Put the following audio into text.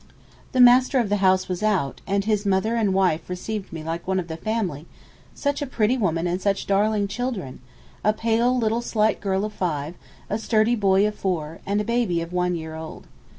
The master of the house was out, and his mother and wife received me like one of the family; such a pretty woman and such darling children!—a pale, little slight girl of five, a sturdy boy of four, and a baby of one year old.